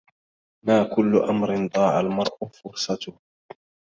ما كل أمر أضاع المرء فرصته